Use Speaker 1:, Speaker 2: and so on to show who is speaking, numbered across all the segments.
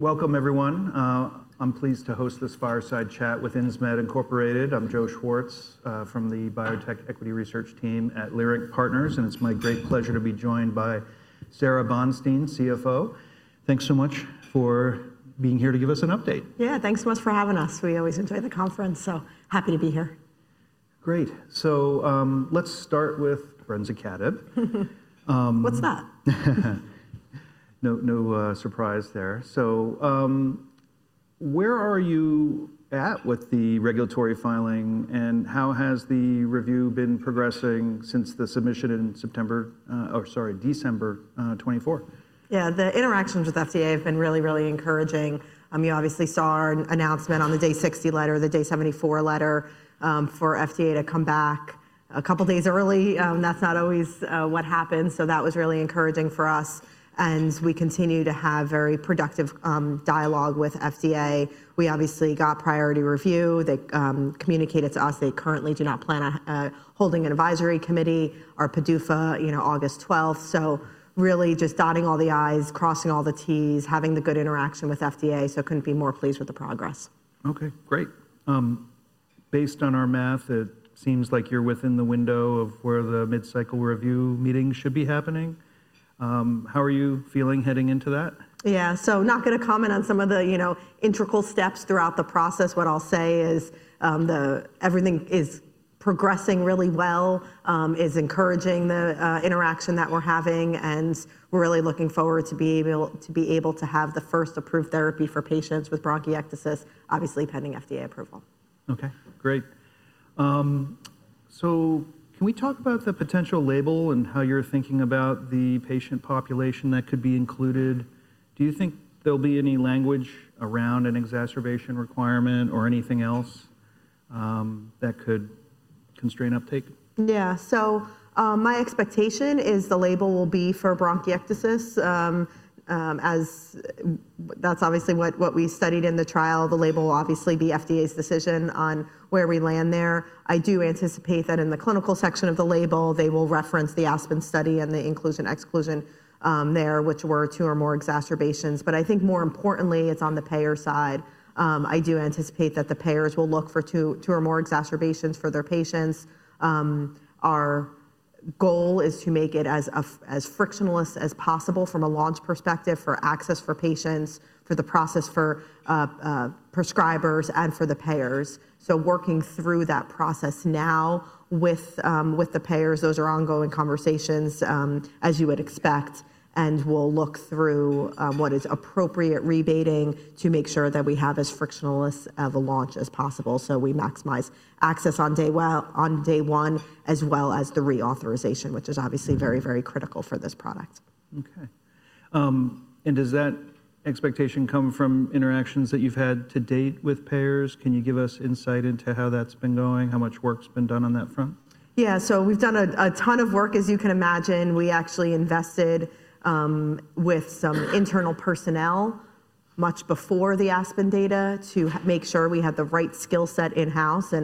Speaker 1: Welcome, everyone. I'm pleased to host this Fireside Chat with Insmed Incorporated. I'm Joe Schwartz from the Biotech Equity Research Team at Leerink Partners, and it's my great pleasure to be joined by Sara Bonstein, CFO. Thanks so much for being here to give us an update.
Speaker 2: Yeah, thanks so much for having us. We always enjoy the conference, so happy to be here.
Speaker 1: Great. Let's start with brensocatib.
Speaker 2: What's that?
Speaker 1: No surprise there. Where are you at with the regulatory filing, and how has the review been progressing since the submission in December 2024?
Speaker 2: Yeah, the interactions with FDA have been really, really encouraging. You obviously saw our announcement on the Day 60 letter, the Day 74 letter for FDA to come back a couple of days early. That's not always what happens. That was really encouraging for us. We continue to have very productive dialogue with FDA. We obviously got priority review. They communicated to us they currently do not plan on holding an advisory committee, our PDUFA, you know, August 12. Really just dotting all the i's, crossing all the t's, having the good interaction with FDA. I couldn't be more pleased with the progress.
Speaker 1: Okay, great. Based on our math, it seems like you're within the window of where the mid-cycle review meeting should be happening. How are you feeling heading into that?
Speaker 2: Yeah, so not going to comment on some of the, you know, integral steps throughout the process. What I'll say is everything is progressing really well, is encouraging the interaction that we're having, and we're really looking forward to being able to have the first approved therapy for patients with bronchiectasis, obviously pending FDA approval.
Speaker 1: Okay, great. Can we talk about the potential label and how you're thinking about the patient population that could be included? Do you think there'll be any language around an exacerbation requirement or anything else that could constrain uptake?
Speaker 2: Yeah, so my expectation is the label will be for bronchiectasis. That's obviously what we studied in the trial. The label will obviously be FDA's decision on where we land there. I do anticipate that in the clinical section of the label, they will reference the ASPEN study and the inclusion/exclusion there, which were two or more exacerbations. I think more importantly, it's on the payer side. I do anticipate that the payers will look for two or more exacerbations for their patients. Our goal is to make it as frictionless as possible from a launch perspective for access for patients, for the process for prescribers, and for the payers. Working through that process now with the payers, those are ongoing conversations, as you would expect, and we'll look through what is appropriate rebating to make sure that we have as frictionless of a launch as possible so we maximize access on day one, as well as the reauthorization, which is obviously very, very critical for this product.
Speaker 1: Okay. Does that expectation come from interactions that you've had to date with payers? Can you give us insight into how that's been going, how much work's been done on that front?
Speaker 2: Yeah, so we've done a ton of work, as you can imagine. We actually invested with some internal personnel much before the ASPEN data to make sure we had the right skill set in-house.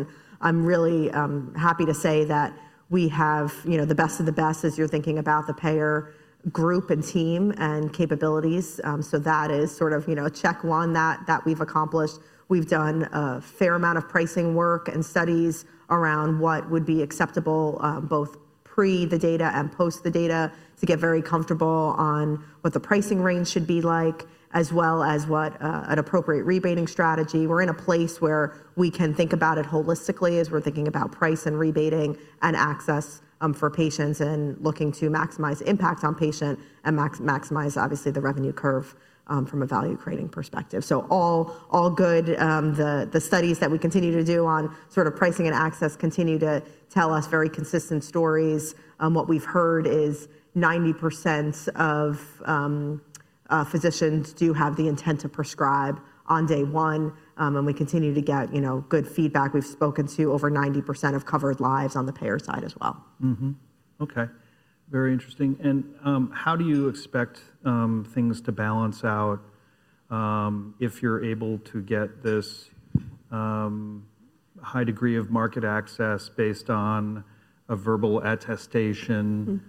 Speaker 2: I'm really happy to say that we have the best of the best as you're thinking about the payer group and team and capabilities. That is sort of a check one that we've accomplished. We've done a fair amount of pricing work and studies around what would be acceptable both pre the data and post the data to get very comfortable on what the pricing range should be like, as well as what an appropriate rebating strategy. We're in a place where we can think about it holistically as we're thinking about price and rebating and access for patients and looking to maximize impact on patient and maximize, obviously, the revenue curve from a value creating perspective. All good. The studies that we continue to do on sort of pricing and access continue to tell us very consistent stories. What we've heard is 90% of physicians do have the intent to prescribe on day one. We continue to get good feedback. We've spoken to over 90% of covered lives on the payer side as well.
Speaker 1: Okay, very interesting. How do you expect things to balance out if you're able to get this high degree of market access based on a verbal attestation?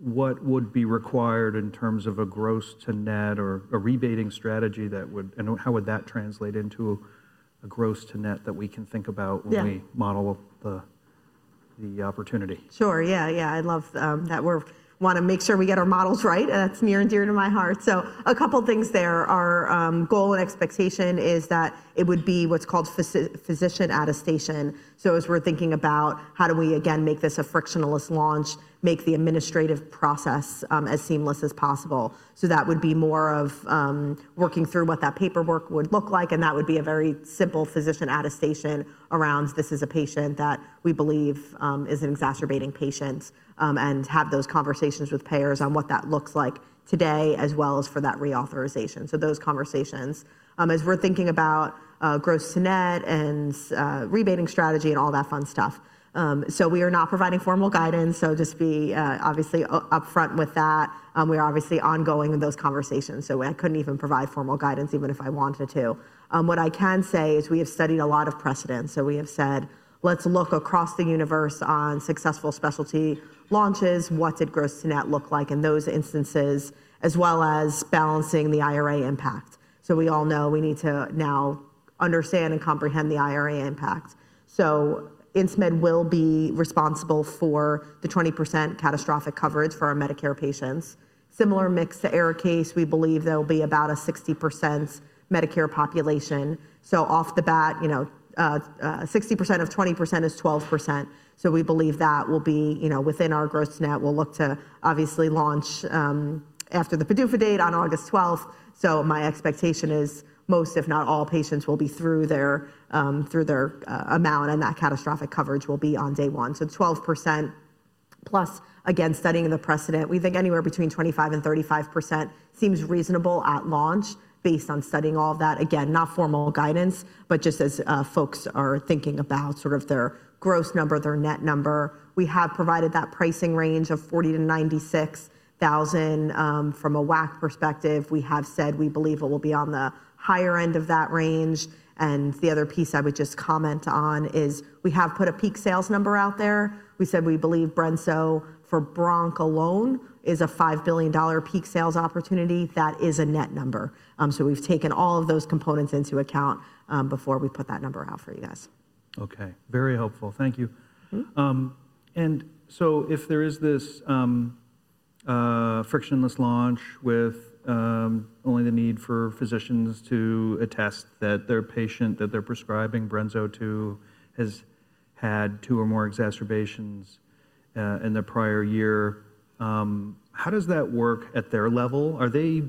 Speaker 1: What would be required in terms of a gross-to-net or a rebating strategy that would, and how would that translate into a gross-to-net that we can think about when we model the opportunity?
Speaker 2: Sure. Yeah, yeah. I love that. We want to make sure we get our models right. That's near and dear to my heart. A couple of things there. Our goal and expectation is that it would be what's called physician attestation. As we're thinking about how do we, again, make this a frictionless launch, make the administrative process as seamless as possible. That would be more of working through what that paperwork would look like. That would be a very simple physician attestation around this is a patient that we believe is an exacerbating patient and have those conversations with payers on what that looks like today, as well as for that reauthorization. Those conversations as we're thinking about gross-to-net and rebating strategy and all that fun stuff. We are not providing formal guidance, so just be obviously upfront with that. We are obviously ongoing in those conversations. I could not even provide formal guidance, even if I wanted to. What I can say is we have studied a lot of precedents. We have said, let's look across the universe on successful specialty launches. What did gross-to-net look like in those instances, as well as balancing the IRA impact? We all know we need to now understand and comprehend the IRA impact. Insmed will be responsible for the 20% catastrophic coverage for our Medicare patients. Similar mix to ARIKAYCE. We believe there will be about a 60% Medicare population. Off the bat, 60% of 20% is 12%. We believe that will be within our gross-to-net. we will look to obviously launch after the PDUFA date on August 12, 2025. My expectation is most, if not all, patients will be through their amount, and that catastrophic coverage will be on day one. Twelve percent plus again, studying the precedent, we think anywhere between 25% and 35% seems reasonable at launch based on studying all of that. Again, not formal guidance, but just as folks are thinking about sort of their gross number, their net number. We have provided that pricing range of $40,000-$96,000. From a WAC perspective, we have said we believe it will be on the higher end of that range. The other piece I would just comment on is we have put a peak sales number out there. We said we believe Brenso for bronch alone is a $5 billion peak sales opportunity. That is a net number. We have taken all of those components into account before we put that number out for you guys.
Speaker 1: Okay, very helpful. Thank you. If there is this frictionless launch with only the need for physicians to attest that their patient that they're prescribing Brenso to has had two or more exacerbations in the prior year, how does that work at their level? Are they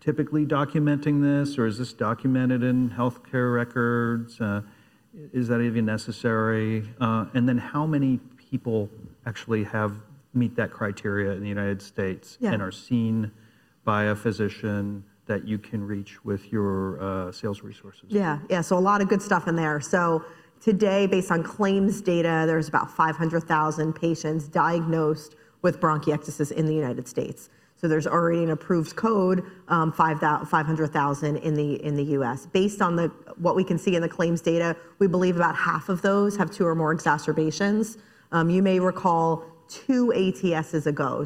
Speaker 1: typically documenting this, or is this documented in healthcare records? Is that even necessary? How many people actually meet that criteria in the United States and are seen by a physician that you can reach with your sales resources?
Speaker 2: Yeah, yeah. A lot of good stuff in there. Today, based on claims data, there's about 500,000 patients diagnosed with bronchiectasis in the United States. There's already an approved code, 500,000 in the U.S. Based on what we can see in the claims data, we believe about half of those have two or more exacerbations. You may recall two ATSs ago,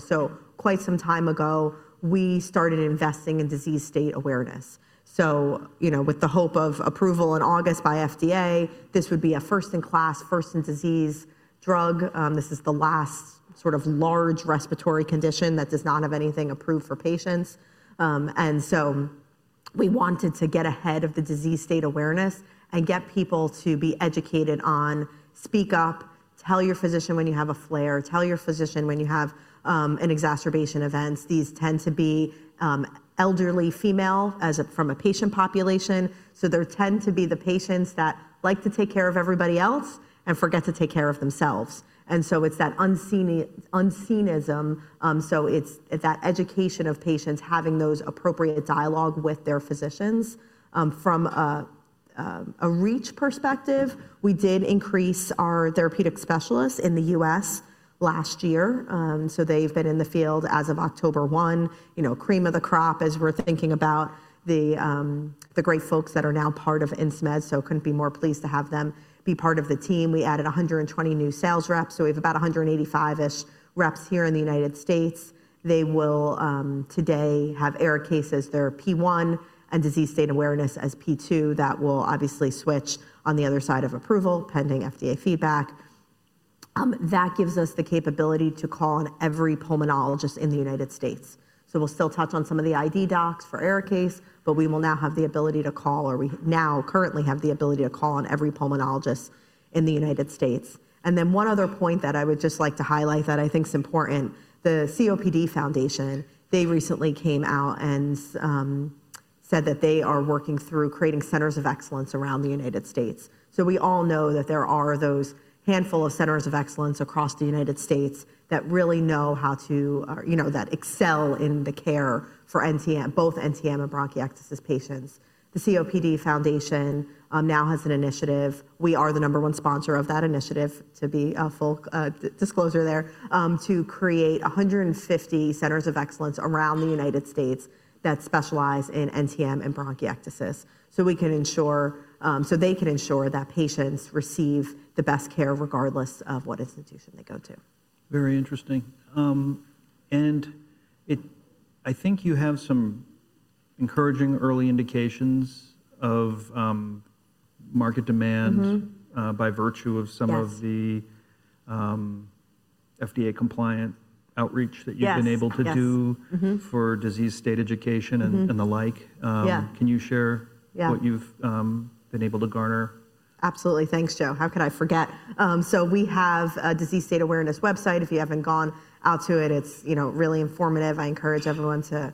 Speaker 2: quite some time ago, we started investing in disease state awareness. With the hope of approval in August by FDA, this would be a first-in-class, first-in-disease drug. This is the last sort of large respiratory condition that does not have anything approved for patients. We wanted to get ahead of the disease state awareness and get people to be educated on speak up, tell your physician when you have a flare, tell your physician when you have an exacerbation events. These tend to be elderly female from a patient population. They tend to be the patients that like to take care of everybody else and forget to take care of themselves. It is that stoicism. It is that education of patients having those appropriate dialogue with their physicians. From a reach perspective, we did increase our therapeutic specialists in the U.S. last year. They have been in the field as of October 1. Cream of the crop, as we are thinking about the great folks that are now part of Insmed, so could not be more pleased to have them be part of the team. We added 120 new sales reps. We have about 185-ish reps here in the United States. They will today have ARIKAYCE that are P1 and disease state awareness as P2. That will obviously switch on the other side of approval pending FDA feedback. That gives us the capability to call on every pulmonologist in the United States. We will still touch on some of the ID docs for ARIKAYCE, but we will now have the ability to call, or we now currently have the ability to call on every pulmonologist in the United States. One other point that I would just like to highlight that I think is important. The COPD Foundation, they recently came out and said that they are working through creating centers of excellence around the United States. We all know that there are those handful of centers of excellence across the United States that really know how to, you know, that excel in the care for both NTM and bronchiectasis patients. The COPD Foundation now has an initiative. We are the number one sponsor of that initiative, to be full disclosure there, to create 150 centers of excellence around the United States that specialize in NTM and bronchiectasis. We can ensure, so they can ensure that patients receive the best care regardless of what institution they go to.
Speaker 1: Very interesting. I think you have some encouraging early indications of market demand by virtue of some of the FDA-compliant outreach that you've been able to do for disease state education and the like. Can you share what you've been able to garner?
Speaker 2: Absolutely. Thanks, Joe. How could I forget? We have a disease state awareness website. If you haven't gone out to it, it's really informative. I encourage everyone to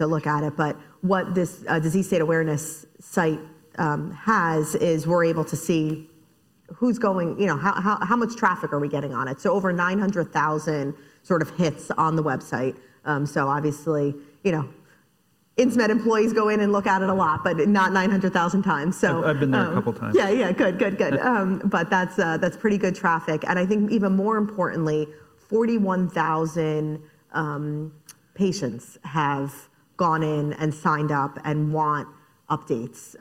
Speaker 2: look at it. What this disease state awareness site has is we're able to see who's going, you know, how much traffic are we getting on it. Over 900,000 sort of hits on the website. Obviously, you know, Insmed employees go in and look at it a lot, but not 900,000 times.
Speaker 1: I've been there a couple of times.
Speaker 2: Yeah, yeah. Good, good, good. That's pretty good traffic. I think even more importantly, 41,000 patients have gone in and signed up and want updates.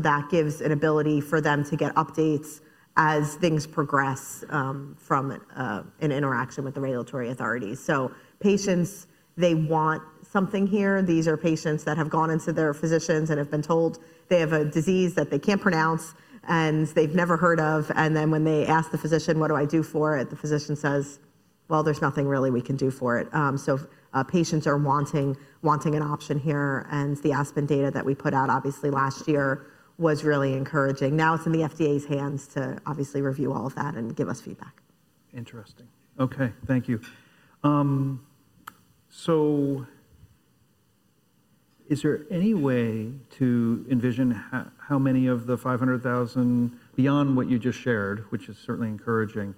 Speaker 2: That gives an ability for them to get updates as things progress from an interaction with the regulatory authorities. Patients want something here. These are patients that have gone into their physicians and have been told they have a disease that they can't pronounce and they've never heard of. Then when they ask the physician, what do I do for it, the physician says, there's nothing really we can do for it. Patients are wanting an option here. The ASPEN data that we put out obviously last year was really encouraging. Now it's in the FDA's hands to obviously review all of that and give us feedback.
Speaker 1: Interesting. Okay, thank you. Is there any way to envision how many of the 500,000 beyond what you just shared, which is certainly encouraging?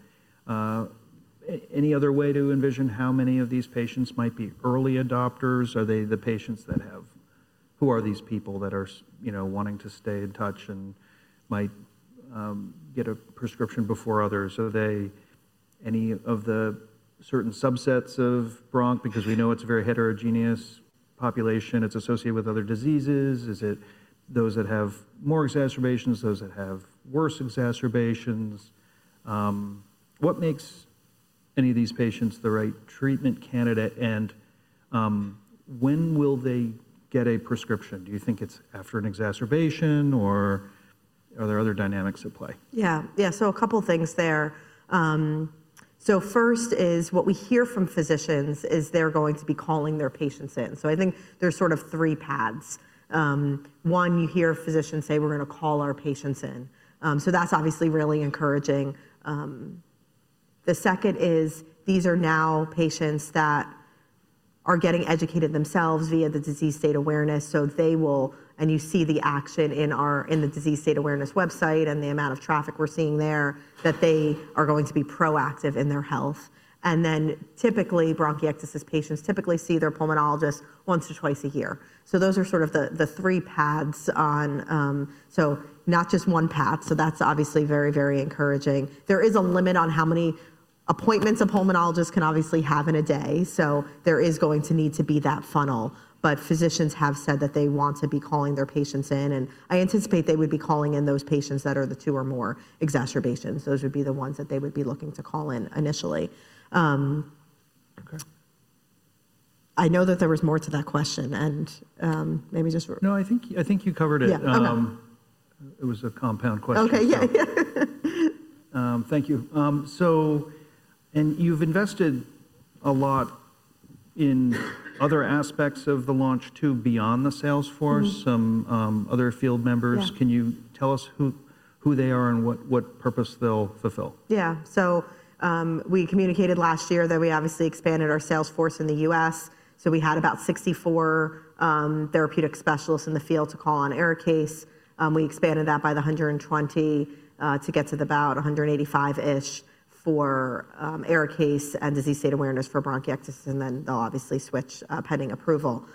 Speaker 1: Any other way to envision how many of these patients might be early adopters? Are they the patients that have, who are these people that are wanting to stay in touch and might get a prescription before others? Are they any of the certain subsets of bronch? Because we know it's a very heterogeneous population. It's associated with other diseases. Is it those that have more exacerbations, those that have worse exacerbations? What makes any of these patients the right treatment candidate? When will they get a prescription? Do you think it's after an exacerbation or are there other dynamics at play?
Speaker 2: Yeah, yeah. A couple of things there. First is what we hear from physicians is they're going to be calling their patients in. I think there's sort of three paths. One, you hear physicians say, we're going to call our patients in. That's obviously really encouraging. The second is these are now patients that are getting educated themselves via the disease state awareness. You see the action in the disease state awareness website and the amount of traffic we're seeing there that they are going to be proactive in their health. Typically, bronchiectasis patients typically see their pulmonologist once or twice a year. Those are sort of the three paths, not just one path. That's obviously very, very encouraging. There is a limit on how many appointments a pulmonologist can obviously have in a day. There is going to need to be that funnel. Physicians have said that they want to be calling their patients in. I anticipate they would be calling in those patients that are the two or more exacerbations. Those would be the ones that they would be looking to call in initially. I know that there was more to that question and maybe just.
Speaker 1: No, I think you covered it. It was a compound question.
Speaker 2: Okay, yeah.
Speaker 1: Thank you. You have invested a lot in other aspects of the launch too beyond the sales force. Some other field members. Can you tell us who they are and what purpose they'll fulfill?
Speaker 2: Yeah. We communicated last year that we obviously expanded our sales force in the U.S. We had about 64 therapeutic specialists in the field to call on ARIKAYCE. We expanded that by the 120 to get to about 185-ish for ARIKAYCE and disease state awareness for bronchiectasis. They'll obviously switch pending approval.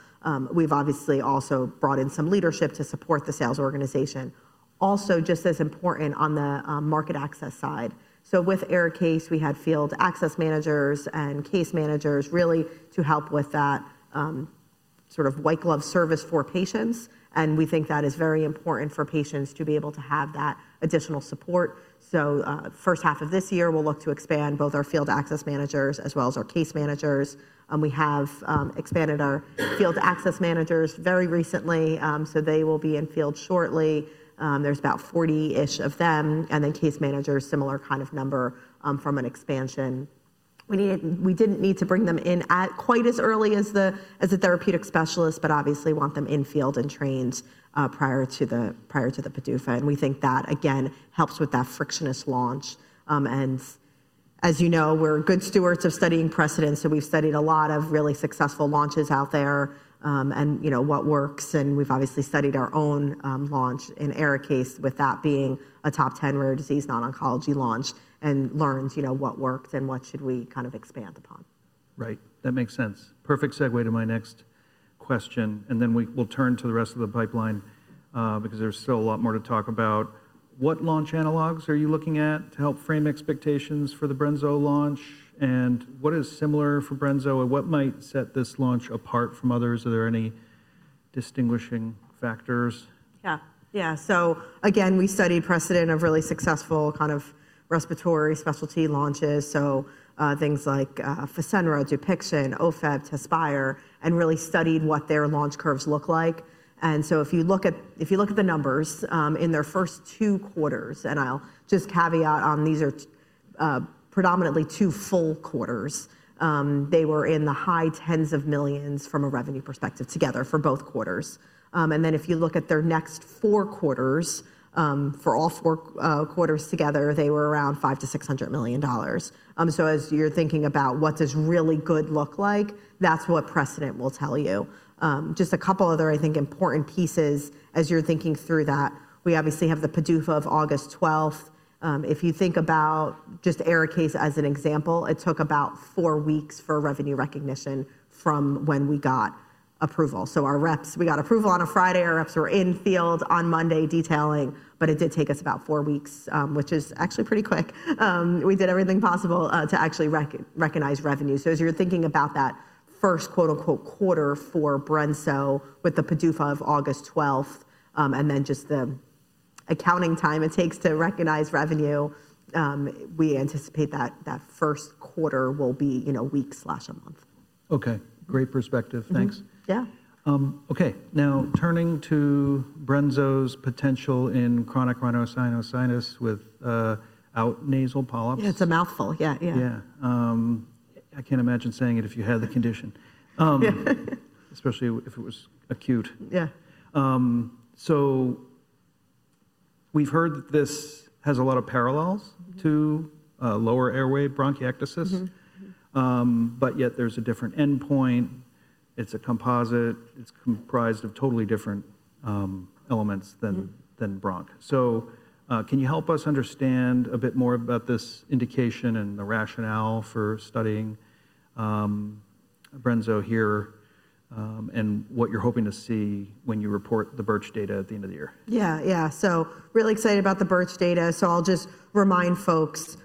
Speaker 2: We've also brought in some leadership to support the sales organization. Also, just as important on the market access side. With ARIKAYCE, we had field access managers and case managers really to help with that sort of white glove service for patients. We think that is very important for patients to be able to have that additional support. First half of this year, we'll look to expand both our field access managers as well as our case managers. We have expanded our field access managers very recently. They will be in field shortly. There are about 40-ish of them. Case managers, similar kind of number from an expansion. We did not need to bring them in quite as early as the therapeutic specialists, but obviously want them in field and trained prior to the PDUFA. We think that again helps with that frictionless launch. As you know, we are good stewards of studying precedents. We have studied a lot of really successful launches out there and what works. We have obviously studied our own launch in ARIKAYCE with that being a top 10 rare disease non-oncology launch and learned what worked and what should we kind of expand upon.
Speaker 1: Right. That makes sense. Perfect segue to my next question. Then we'll turn to the rest of the pipeline because there's still a lot more to talk about. What launch analogs are you looking at to help frame expectations for the Brenso launch? What is similar for Brenso? What might set this launch apart from others? Are there any distinguishing factors?
Speaker 2: Yeah, yeah. Again, we studied precedent of really successful kind of respiratory specialty launches. Things like Fasenra, Dupixent, Ofev, Tezspire, and really studied what their launch curves look like. If you look at the numbers in their first two quarters, and I'll just caveat these are predominantly two full quarters, they were in the high tens of millions from a revenue perspective together for both quarters. If you look at their next four quarters, for all four quarters together, they were around $500 million-$600 million. As you're thinking about what does really good look like, that's what precedent will tell you. Just a couple other, I think, important pieces as you're thinking through that. We obviously have the PDUFA of August 12th. If you think about just ARIKAYCE as an example, it took about four weeks for revenue recognition from when we got approval. Our reps, we got approval on a Friday. Our reps were in field on Monday detailing, but it did take us about four weeks, which is actually pretty quick. We did everything possible to actually recognize revenue. As you're thinking about that first quote unquote quarter for Brenso with the PDUFA of August 12 and then just the accounting time it takes to recognize revenue, we anticipate that that first quarter will be a week slash a month.
Speaker 1: Okay. Great perspective. Thanks.
Speaker 2: Yeah.
Speaker 1: Okay. Now turning to Brenso's potential in chronic rhinosinusitis without nasal polyps.
Speaker 2: Yeah, it's a mouthful. Yeah, yeah.
Speaker 1: Yeah. I can't imagine saying it if you had the condition, especially if it was acute.
Speaker 2: Yeah.
Speaker 1: We've heard that this has a lot of parallels to lower airway bronchiectasis, but yet there's a different endpoint. It's a composite. It's comprised of totally different elements than bronch. Can you help us understand a bit more about this indication and the rationale for studying Brenso here and what you're hoping to see when you report the BIRCH data at the end of the year?
Speaker 2: Yeah, yeah. Really excited about the BIRCH data. I'll just remind folks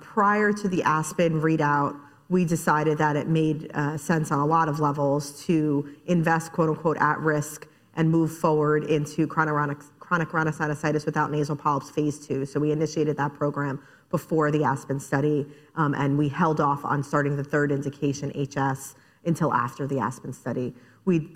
Speaker 2: prior to the Aspen readout, we decided that it made sense on a lot of levels to invest quote unquote at risk and move forward into chronic rhinosinusitis without nasal polyps phase two. We initiated that program before the Aspen study and we held off on starting the third indication HS until after the Aspen study. We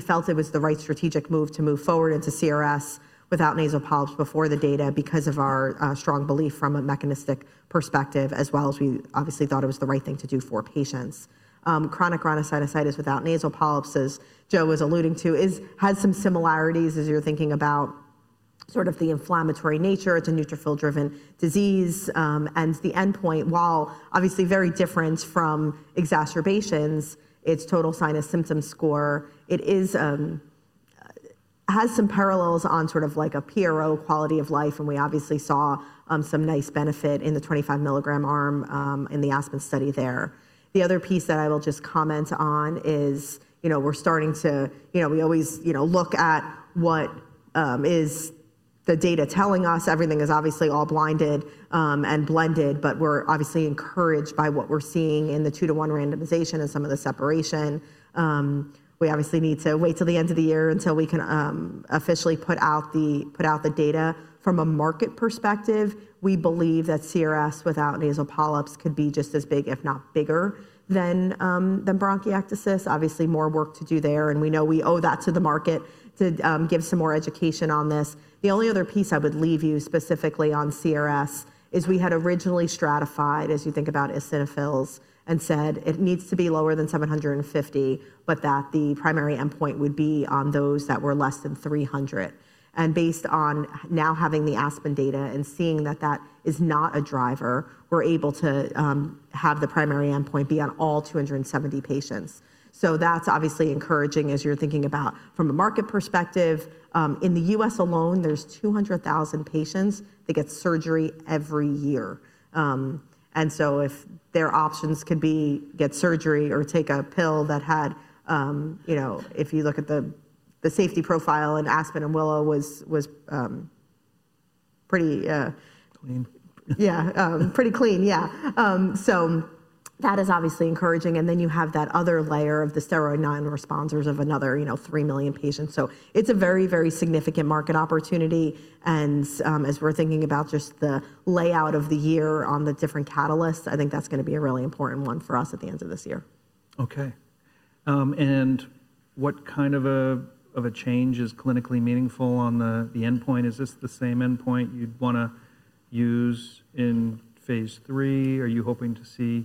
Speaker 2: felt it was the right strategic move to move forward into CRS without nasal polyps before the data because of our strong belief from a mechanistic perspective, as well as we obviously thought it was the right thing to do for patients. Chronic rhinosinusitis without nasal polyps, as Joe was alluding to, has some similarities as you're thinking about sort of the inflammatory nature. It's a neutrophil-driven disease. The endpoint, while obviously very different from exacerbations, is total sinus symptom score. It has some parallels on sort of like a PRO quality of life. We obviously saw some nice benefit in the 25 milligram arm in the ASPEN study there. The other piece that I will just comment on is, you know, we're starting to, you know, we always, you know, look at what is the data telling us. Everything is obviously all blinded and blended, but we're obviously encouraged by what we're seeing in the two-to-one randomization and some of the separation. We obviously need to wait till the end of the year until we can officially put out the data from a market perspective. We believe that CRS without nasal polyps could be just as big, if not bigger than bronchiectasis. Obviously, more work to do there. We know we owe that to the market to give some more education on this. The only other piece I would leave you specifically on CRS is we had originally stratified, as you think about eosinophils, and said it needs to be lower than 750, but that the primary endpoint would be on those that were less than 300. Based on now having the ASPEN data and seeing that that is not a driver, we're able to have the primary endpoint be on all 270 patients. That is obviously encouraging as you're thinking about from a market perspective. In the U.S. alone, there are 200,000 patients that get surgery every year. If their options could be get surgery or take a pill that had, you know, if you look at the safety profile in ASPEN and WILLOW, was pretty.
Speaker 1: Clean.
Speaker 2: Yeah, pretty clean. Yeah. That is obviously encouraging. You have that other layer of the steroid non-responders of another, you know, three million patients. It is a very, very significant market opportunity. As we're thinking about just the layout of the year on the different catalysts, I think that's going to be a really important one for us at the end of this year.
Speaker 1: Okay. What kind of a change is clinically meaningful on the endpoint? Is this the same endpoint you'd want to use in phase three? Are you hoping to see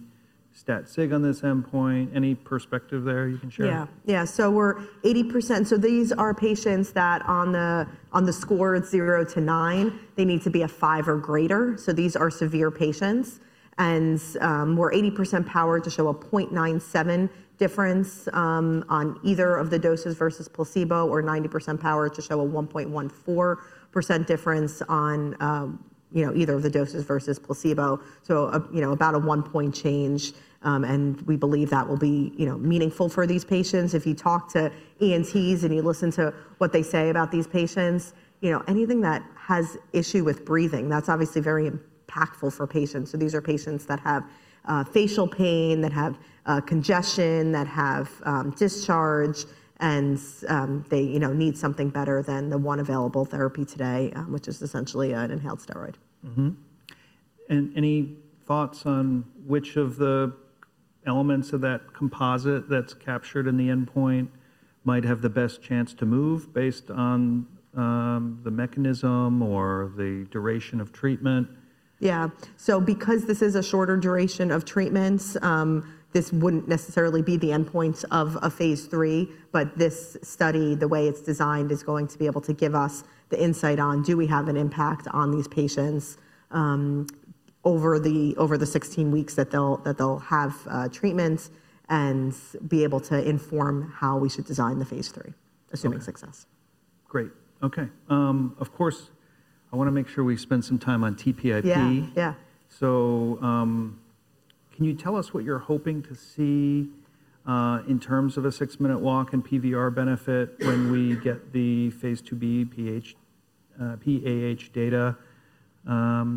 Speaker 1: stat sig on this endpoint? Any perspective there you can share?
Speaker 2: Yeah, yeah. We're 80%. These are patients that on the score of zero to nine, they need to be a five or greater. These are severe patients. We're 80% power to show a 0.97 difference on either of the doses versus placebo or 90% power to show a 1.14% difference on, you know, either of the doses versus placebo. You know, about a one-point change. We believe that will be, you know, meaningful for these patients. If you talk to ENTs and you listen to what they say about these patients, you know, anything that has issue with breathing, that's obviously very impactful for patients. These are patients that have facial pain, that have congestion, that have discharge, and they, you know, need something better than the one available therapy today, which is essentially an inhaled steroid.
Speaker 1: Any thoughts on which of the elements of that composite that's captured in the endpoint might have the best chance to move based on the mechanism or the duration of treatment?
Speaker 2: Yeah. Because this is a shorter duration of treatments, this wouldn't necessarily be the endpoints of a phase three, but this study, the way it's designed, is going to be able to give us the insight on do we have an impact on these patients over the 16 weeks that they'll have treatments and be able to inform how we should design the phase three, assuming success.
Speaker 1: Great. Okay. Of course, I want to make sure we spend some time on TPIP.
Speaker 2: Yeah, yeah.
Speaker 1: Can you tell us what you're hoping to see in terms of a six-minute walk and PVR benefit when we get the phase 2b PAH data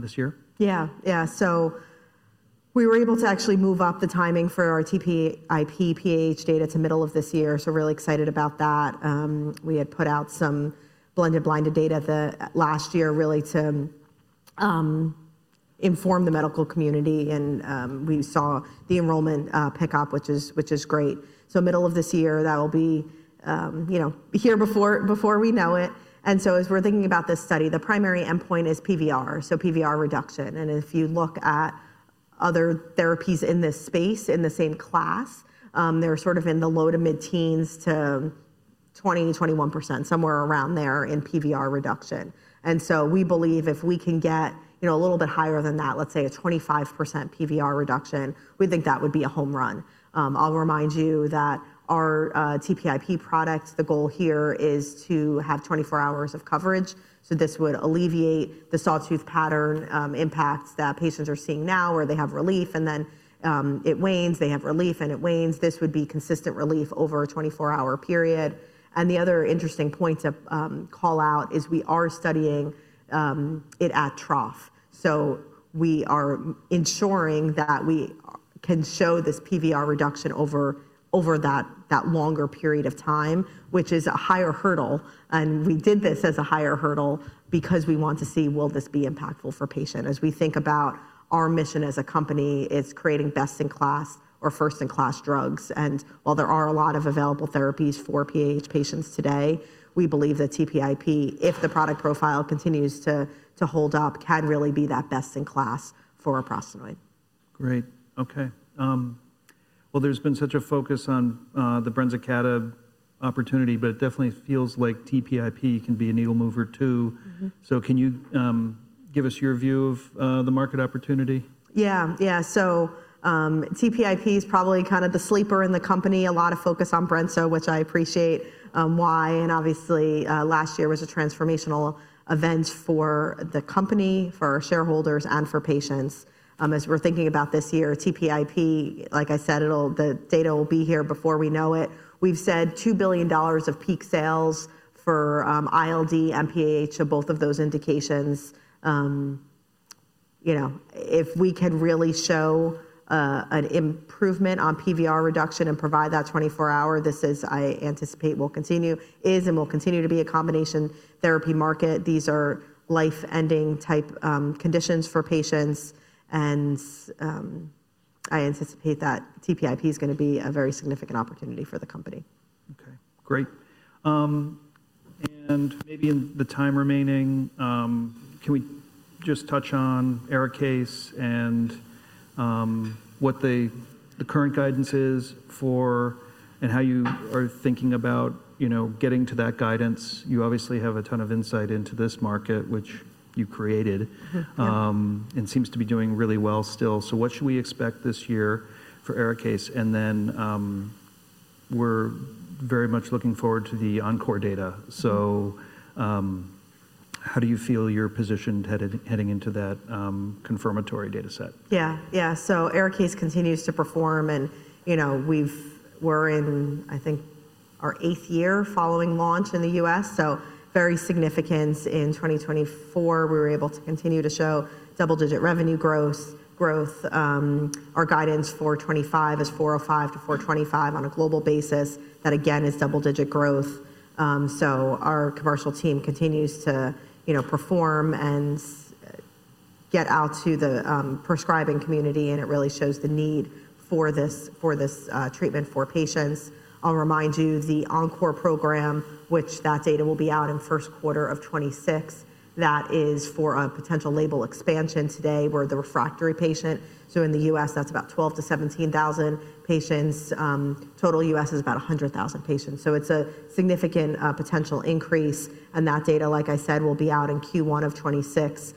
Speaker 1: this year?
Speaker 2: Yeah, yeah. We were able to actually move up the timing for our TPIP PAH data to middle of this year. Really excited about that. We had put out some blended blinded data last year really to inform the medical community. We saw the enrollment pick up, which is great. Middle of this year, that will be, you know, here before we know it. As we're thinking about this study, the primary endpoint is PVR, so PVR reduction. If you look at other therapies in this space in the same class, they're sort of in the low to mid-teens to 20-21%, somewhere around there in PVR reduction. We believe if we can get, you know, a little bit higher than that, let's say a 25% PVR reduction, we think that would be a home run. I'll remind you that our TPIP product, the goal here is to have 24 hours of coverage. This would alleviate the sawtooth pattern impacts that patients are seeing now where they have relief and then it wanes, they have relief and it wanes. This would be consistent relief over a 24-hour period. The other interesting point to call out is we are studying it at trough. We are ensuring that we can show this PVR reduction over that longer period of time, which is a higher hurdle. We did this as a higher hurdle because we want to see will this be impactful for patients. As we think about our mission as a company, it's creating best in class or first-in-class drugs. While there are a lot of available therapies for PAH patients today, we believe that TPIP, if the product profile continues to hold up, can really be that best in class for a prospect.
Speaker 1: Great. Okay. There's been such a focus on the Brensocatib opportunity, but it definitely feels like TPIP can be a needle mover too. Can you give us your view of the market opportunity?
Speaker 2: Yeah, yeah. TPIP is probably kind of the sleeper in the company. A lot of focus on Brenso, which I appreciate why. Obviously last year was a transformational event for the company, for our shareholders and for patients. As we're thinking about this year, TPIP, like I said, the data will be here before we know it. We've said $2 billion of peak sales for ILD and PAH, both of those indications. You know, if we can really show an improvement on PVR reduction and provide that 24-hour, this is, I anticipate will continue, is and will continue to be a combination therapy market. These are life-ending type conditions for patients. I anticipate that TPIP is going to be a very significant opportunity for the company.
Speaker 1: Okay. Great. Maybe in the time remaining, can we just touch on ARIKAYCE and what the current guidance is for and how you are thinking about, you know, getting to that guidance? You obviously have a ton of insight into this market, which you created and seems to be doing really well still. What should we expect this year for ARIKAYCE? We are very much looking forward to the ENCORE data. How do you feel you're positioned heading into that confirmatory data set?
Speaker 2: Yeah, yeah. So ARIKAYCE continues to perform. And, you know, we're in, I think, our eighth year following launch in the U.S. Very significant in 2024. We were able to continue to show double-digit revenue growth. Our guidance for 2025 is $405 million-$425 million on a global basis. That again is double-digit growth. Our commercial team continues to, you know, perform and get out to the prescribing community. It really shows the need for this treatment for patients. I'll remind you the ENCORE program, which that data will be out in first quarter of 2026. That is for a potential label expansion. Today, we're the refractory patient. In the U.S., that's about 12,000-17,000 patients. Total U.S. is about 100,000 patients. It is a significant potential increase. That data, like I said, will be out in Q1 of 2026.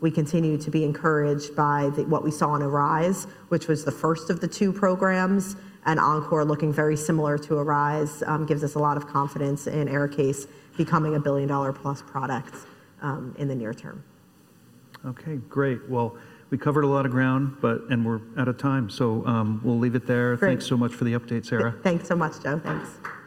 Speaker 2: We continue to be encouraged by what we saw in ARISE, which was the first of the two programs. ENCORE looking very similar to ARISE gives us a lot of confidence in ARIKAYCE becoming a billion-dollar-plus product in the near term.
Speaker 1: Okay, great. We covered a lot of ground, but we're out of time. We'll leave it there. Thanks so much for the update, Sara.
Speaker 2: Thanks so much, Joe. Thanks.